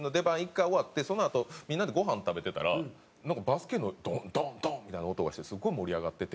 １回終わってそのあとみんなでごはん食べてたらなんかバスケのドンドンドンみたいな音がしてすごい盛り上がってて。